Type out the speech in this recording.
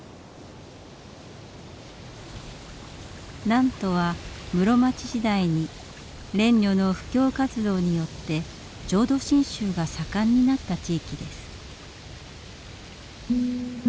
南砺は室町時代に蓮如の布教活動によって浄土真宗が盛んになった地域です。